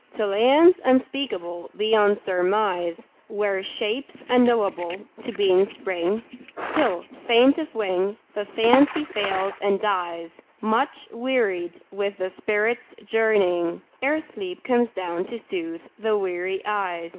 To lands unspeakable beyond surmise, Where shapes unknowable to being spring, Till, faint of wing, the Fancy fails and dies Much wearied with the spirit's journeying, Ere sleep comes down to soothe the weary eyes.